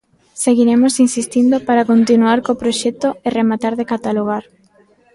Seguiremos insistindo para continuar co proxecto e rematar de catalogar.